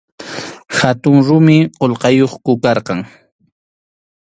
Hatun rumi qullqayuqku karqan.